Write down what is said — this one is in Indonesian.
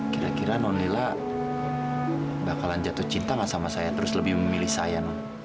kira kira nonila bakalan jatuh cinta gak sama saya terus lebih memilih saya